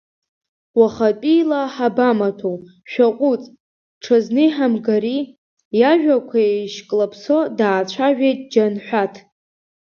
Уахатәиала ҳабамаҭәоу, шәаҟәыҵ, ҽазны иҳамгари, иажәақәа еишьклаԥсо даацәажәеит Џьанҳәаҭ.